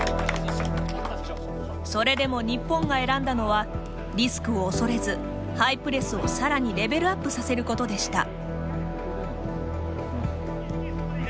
それでも日本が選んだのはリスクを恐れずハイプレスをさらにレベルアップさせることでした。